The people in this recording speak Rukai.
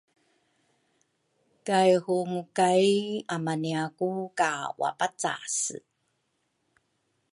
kay hungu kay amaniaku ka wapacase.